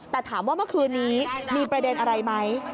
แต่ถามว่าเมื่อคืนนี้มีประเด็นอะไรไหม